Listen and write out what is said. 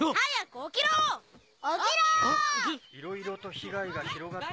いろいろと被害が広がって。